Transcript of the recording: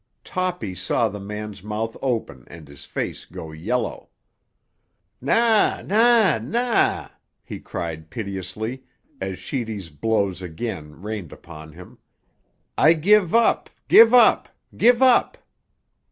Toppy saw the man's mouth open and his face go yellow. "Na, na, na!" he cried piteously, as Sheedy's blows again rained upon him. "I give up, give up, give up!"